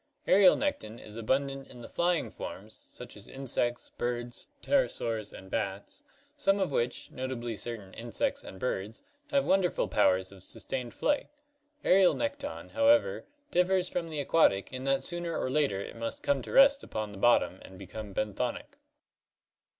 Aerial nekton is abundant in the flying forms, such as insects, birds, pterosaurs, and bats, some of which, notably certain insects and birds, have wonderful powers of sustained flight. Aerial nekton, however, differs from the aquatic in that sooner or later it must come to rest upon the bottom and become benthonic.